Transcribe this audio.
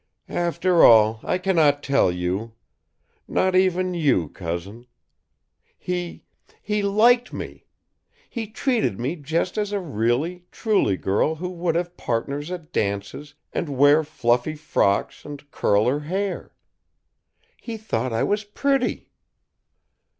"After all, I cannot tell you. Not even you, Cousin! He he liked me. He treated me just as a really, truly girl who would have partners at dances and wear fluffy frocks and curl her hair. He thought I was pretty!"